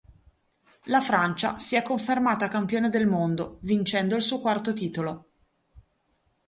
La Francia si è confermata campione del mondo, vincendo il suo quarto titolo.